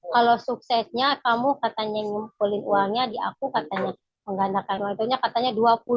kalau suksesnya kamu katanya ngumpulin uangnya di aku katanya menggandakan waktunya katanya dua puluh